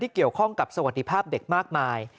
เกี่ยวข้องกับสวัสดิภาพเด็กมากมาย